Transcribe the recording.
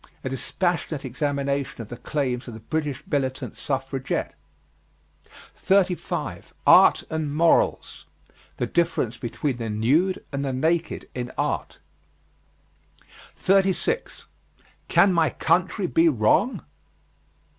A dispassionate examination of the claims of the British militant suffragette. 35. ART AND MORALS. The difference between the nude and the naked in art. 36. CAN MY COUNTRY BE WRONG?